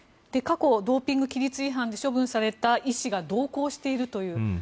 過去ドーピング規律違反で処分された医師が同行しているという。